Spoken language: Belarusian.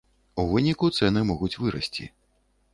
У выніку цэны могуць вырасці.